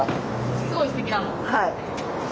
はい。